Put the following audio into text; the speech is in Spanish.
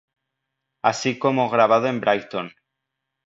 Así como grabado en Brighton.